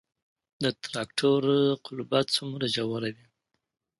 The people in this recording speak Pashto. د تراکتور قلبه څومره ژوره وي؟